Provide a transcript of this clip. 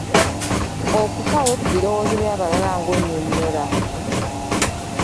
Okufaayo ku birowoozo by'abalala ng'onyonnyola.